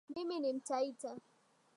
Mimi ni mtaita